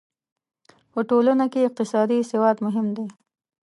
په ټولنه کې اقتصادي سواد مهم دی.